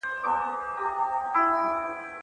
د فیصل په سترګو کې د غوسې یو نا اشنا اور بل و.